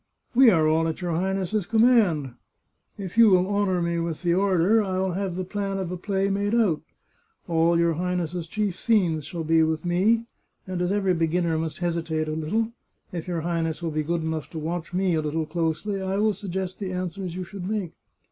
" We are all at your Highness's command. If you will honour me with the order I will have the plan of a play made out. All your Highness's chief scenes shall be with me, and as every beginner must hesitate a little, if your Highness will be good enough to watch me a little closely, I will sug gest the answers you should make."